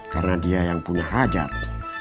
karena dia yang punya hajat